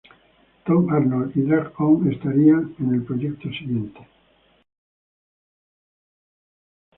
Tom Arnold y Drag-On estarían en el proyecto siguiente.